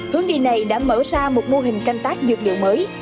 hướng đi này đã mở ra một mô hình canh tác dược liệu mới